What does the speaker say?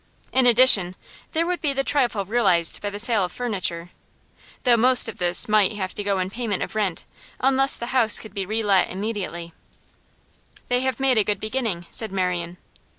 In addition, there would be the trifle realised by the sale of furniture, though most of this might have to go in payment of rent unless the house could be relet immediately. 'They have made a good beginning,' said Marian.